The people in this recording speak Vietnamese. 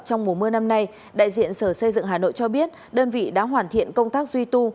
trong mùa mưa năm nay đại diện sở xây dựng hà nội cho biết đơn vị đã hoàn thiện công tác duy tu